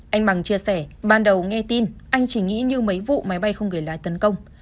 anh bằng chia sẻ ban đầu nghe tin anh chỉ nghĩ như mấy vụ máy bay không người lái tấn công